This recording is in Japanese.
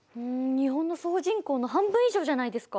日本の総人口の半分以上じゃないですか！